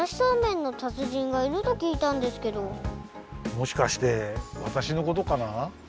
もしかしてわたしのことかな？